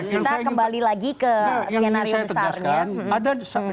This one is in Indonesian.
kita kembali lagi ke skenario besarnya